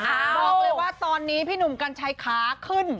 บอกเลยว่าตอนนี้พี่หนุ่มกัญชัยขาขึ้น